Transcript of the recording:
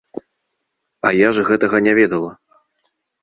А я ж гэтага не ведала.